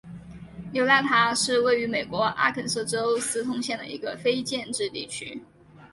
纽纳塔是位于美国阿肯色州斯通县的一个非建制地区。